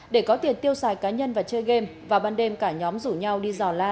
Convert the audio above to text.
để có tiền tiêu xài cá nhân và chơi game vào ban đêm cả nhóm rủ nhau đi dò la